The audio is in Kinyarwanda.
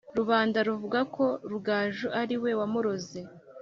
rubanda ruvuga ko rugaju ari we wamuroze;